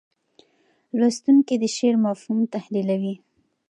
لوستونکي د شعر مفهوم تحلیلوي.